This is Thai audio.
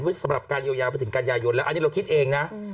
การยอดยาวไปถึงการยายนแล้วอันนี้เราคิดเองนะ